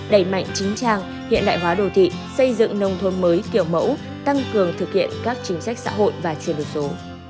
đẩy mạnh chính trang hiện đại hóa đồ thị xây dựng nông thôn mới kiểu mẫu tăng cường thực hiện các chính sách xã hội và truyền đồ số